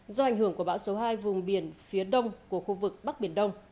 do ảnh hưởng của bão số hai vùng biển phía đông của khu vực bắc biển đông